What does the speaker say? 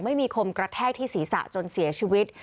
ไม่มีคมกระแทกที่ศีรษะจนเสียชีวิต